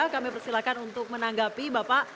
kami persilakan untuk menanggapi bapak